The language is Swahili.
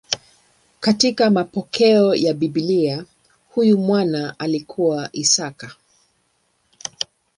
Katika mapokeo ya Biblia huyu mwana alikuwa Isaka.